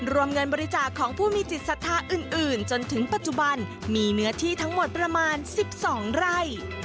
รวมเงินบริจาคของผู้มีจิตศรัทธาอื่นจนถึงปัจจุบันมีเนื้อที่ทั้งหมดประมาณ๑๒ไร่